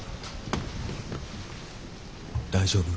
大丈夫？